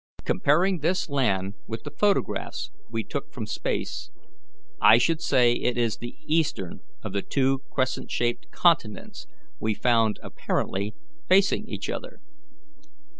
"Comparing this land with the photographs we took from space, I should say it is the eastern of the two crescent shaped continents we found apparently facing each other.